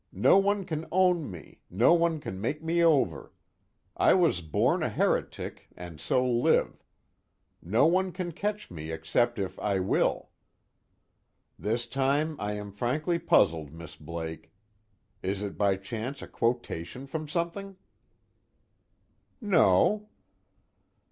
No one can own me, no one can make me over. I was born a heretic and so live. No one can catch me except if I will.' This time I am frankly puzzled, Miss Blake. It is by chance a quotation from something?" "No."